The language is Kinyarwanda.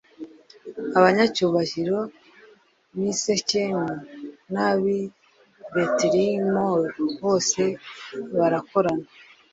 abanyacyubahiro b'i sikemu n'ab'i betimilo bose barakorana